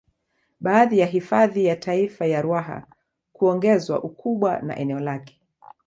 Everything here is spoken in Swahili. Baada ya hifadhi ya Taifa ya Ruaha kuongezwa ukubwa wa eneo lake